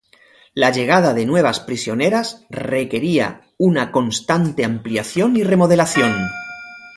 La llegada de nuevas prisioneras requería una constante ampliación y remodelación.